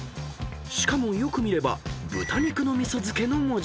［しかもよく見れば「豚肉のみそ漬」の文字］